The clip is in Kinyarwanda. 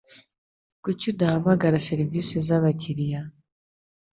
Kuki utahamagara serivisi zabakiriya